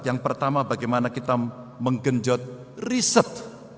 yang pertama bagaimana kita menggenjot riset